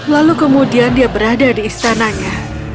lalu kemudian dia berada di istananya